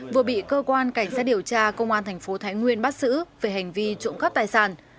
vừa bị cơ quan cảnh sát điều tra công an thành phố thái nguyên bắt xử về hành vi trộm cắp tài sản